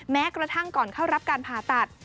แม้กระทั่งก่อนเข้ารับการผ่าตัด